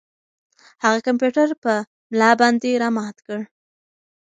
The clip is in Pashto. هغه کمپیوټر په ملا باندې را مات کړ.